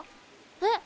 えっ？